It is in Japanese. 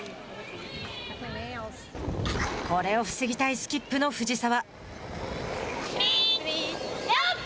これを防ぎたいスキップの藤澤。